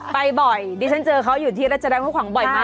ไปบ่อยดิฉันเจอเขาอยู่ที่ราชดำเขาขวางบ่อยมาก